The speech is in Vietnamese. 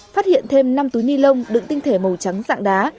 phát hiện thêm năm túi ni lông đựng tinh thể màu trắng dạng đá